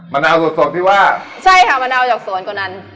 นาวสดสดที่ว่าใช่ค่ะมะนาวจากสวนกว่านั้น